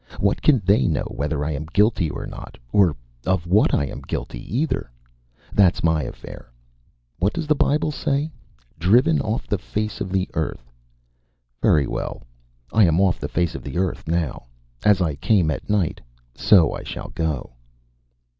What can they know whether I am guilty or not or of what I am guilty, either? That's my affair. What does the Bible say? 'Driven off the face of the earth.' Very well, I am off the face of the earth now. As I came at night so I shall go."